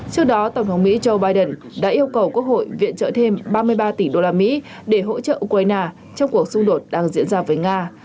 trước đó tổng thống mỹ joe biden đã yêu cầu quốc hội viện trợ thêm ba mươi ba tỉ đô la mỹ để hỗ trợ ukraine trong cuộc xung đột đang diễn ra với nga